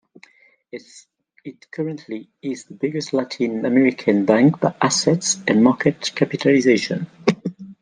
It currently is the biggest Latin American bank by assets and market capitalization.